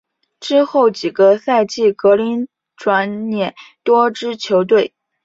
之后几个赛季格林转辗多支球队。